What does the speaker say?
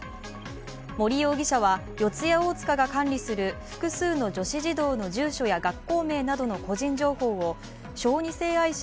森容疑者は四谷大塚が管理する複数の女子児童の住所や学校名などの個人情報を小児性愛者